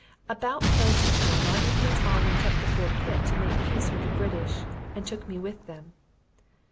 About planting time, our Indians all went up to Fort Pitt, to make peace with the British, and took me with them.